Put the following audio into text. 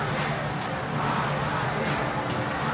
pernah tanyakan hanya untuk saya